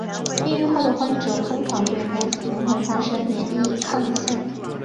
病愈后的患者通常对该疾病会产生免疫抗性。